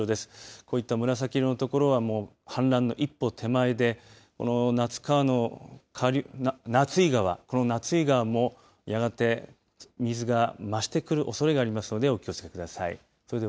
こういった紫色の所氾濫の一歩手前で夏井川もやがて水が増してくるおそれがあるのでお気をつけください。